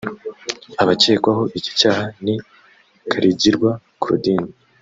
Abakekwaho iki cyaha ni Karigirwa Claudine